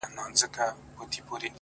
چي په مزار بغلان کابل کي به دي ياده لرم،